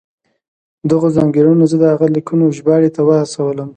دغو ځانګړنو زه د هغه د لیکنو ژباړې ته وهڅولم.